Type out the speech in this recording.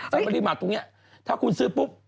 ถ้าไม่ได้หมาดตรงเนี่ยถ้าคุณซื้อปุ๊บ